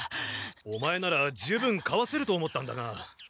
オマエなら十分かわせると思ったんだが。